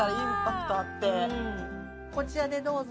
こちらでどうぞ。